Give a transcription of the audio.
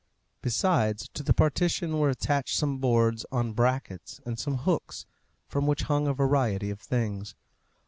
Besides, to the partition were attached some boards on brackets and some hooks, from which hung a variety of things.